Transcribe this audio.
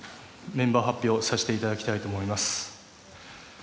メンバー発表させていただきたいと思います。